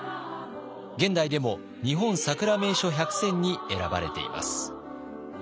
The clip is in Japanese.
現代でも「日本さくら名所１００選」に選ばれています。